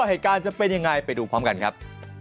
เหตุการณ์จะเป็นยังไงไปดูพร้อมกันครับ